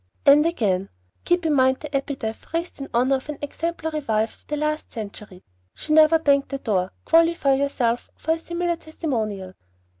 And again: "Keep in mind the epitaph raised in honor of an exemplary wife of the last century, 'She never banged the door.' Qualify yourself for a similar testimonial."